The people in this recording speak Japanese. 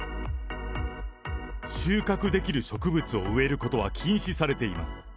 収穫できる植物を植えることは禁止されています。